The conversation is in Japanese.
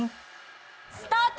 スタート！